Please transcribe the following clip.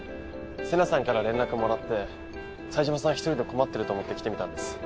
瀬那さんから連絡もらって冴島さん１人で困ってると思って来てみたんです。